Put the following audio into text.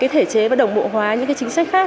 thể chế và đồng bộ hóa những chính sách khác